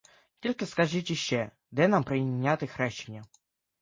Тільки скажіть іще: де нам прийняти хрещення?